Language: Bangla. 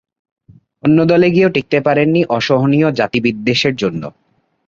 অন্য দলে গিয়েও টিকতে পারেননি অসহনীয় জাতি-বিদ্বেষের জন্য।